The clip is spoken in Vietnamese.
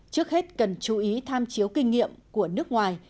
trước hết cần chú ý tham chiếu kinh nghiệm của nước ngoài